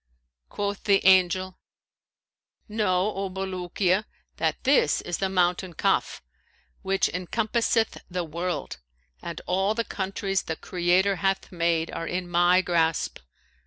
Quoth the Angel, 'Know, O Bulukiya, that this is the mountain Kaf, which encompasseth the world; and all the countries the Creator hath made are in my grasp.